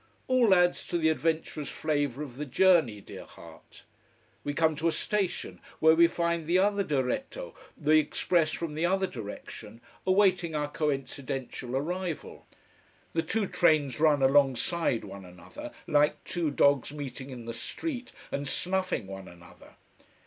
All adds to the adventurous flavour of the journey, dear heart. We come to a station where we find the other diretto, the express from the other direction, awaiting our coincidential arrival. The two trains run alongside one another, like two dogs meeting in the street and snuffing one another.